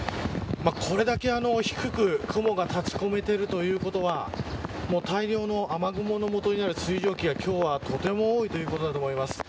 これだけ低く雲が立ち込めているということは大量の雨雲の元になる水蒸気がとても多いということだと思います。